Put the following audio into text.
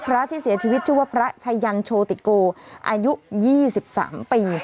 พระที่เสียชีวิตชื่อว่าพระชัยยังโชติโกอายุ๒๓ปี